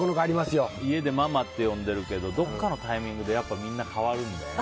家でママって呼んでるけどどこかのタイミングでやっぱ変わるんだよね。